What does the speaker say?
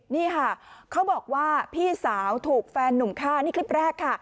นี่ค่ะเขาบอกว่าพี่สาวถูกแฟนหนุ่มฆ่านี่คลิปแรกค่ะ